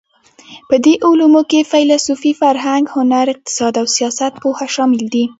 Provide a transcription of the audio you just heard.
په دې علومو کې فېلسوفي، فرهنګ، هنر، اقتصاد او سیاستپوهه شامل دي.